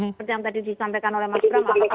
seperti yang tadi disampaikan oleh mas bram